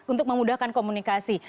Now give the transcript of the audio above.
untuk memudahkan komunikasi